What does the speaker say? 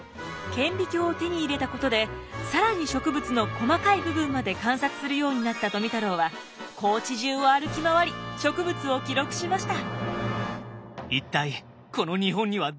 顕微鏡を手に入れたことで更に植物の細かい部分まで観察するようになった富太郎は高知中を歩き回り植物を記録しました。